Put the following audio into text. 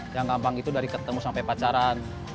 yang gampang itu dari ketemu sampai pacaran